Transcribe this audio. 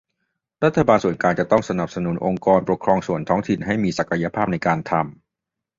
รัฐบาลส่วนกลางจะต้องสนับสนุนองค์กรปกครองส่วนท้องถิ่น ให้มีศักยภาพในการทำ